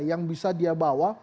yang bisa dia bawa